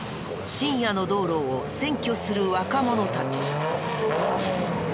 深夜の道路を占拠する若者たち。